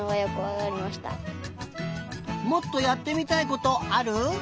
もっとやってみたいことある？